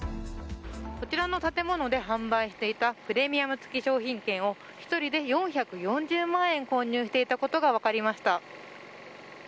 こちらの建物で販売していたプレミアム付き商品券を１人で４４０万円購入していたことが分かりました。